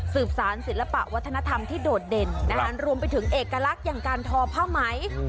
สารศิลปะวัฒนธรรมที่โดดเด่นรวมไปถึงเอกลักษณ์อย่างการทอผ้าไหม